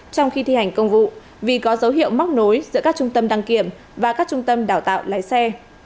trong khi thi hành công vụ vì có dấu hiệu móc nối giữa các trung tâm đăng kiểm và các trung tâm đào tạo lái xe